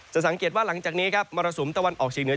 จะสังเกตว่าหลังจากนี้มรสุมตะวันออกฉีกเหนือ